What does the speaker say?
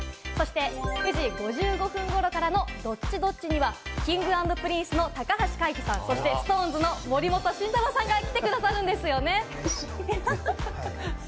そして９時５５分頃からの「Ｄｏｔｔｉ‐Ｄｏｔｔｉ」にはＫｉｎｇ＆Ｐｒｉｎｃｅの高橋海人さん、そしてＳｉｘＴＯＮＥＳの森本慎太郎さんが来てくださるんですよね。